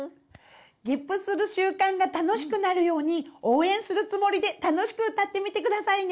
げっぷする習慣が楽しくなるように応援するつもりで楽しく歌ってみてくださいね！